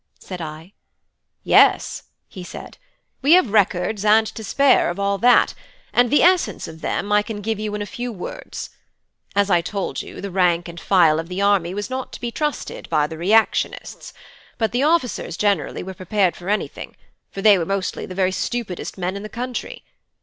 said I. "Yes" he said; "we have records and to spare of all that; and the essence of them I can give you in a few words. As I told you, the rank and file of the army was not to be trusted by the reactionists; but the officers generally were prepared for anything, for they were mostly the very stupidest men in the country.